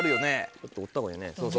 ちょっと追った方がいいよね。